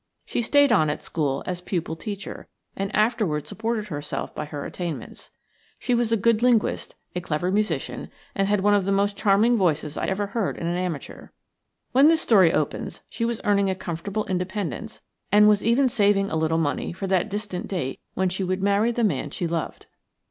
She stayed on at school as pupil teacher, and afterwards supported herself by her attainments. She was a good linguist, a clever musician, and had one of the most charming voices I ever heard in an amateur. When this story opens she was earning a comfortable independence, and was even saving a little money for that distant date when she would marry the man she loved.